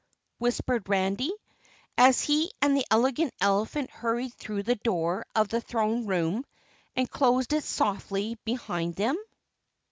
whispered Randy, as he and the Elegant Elephant hurried through the door of the throne room and closed it softly behind them.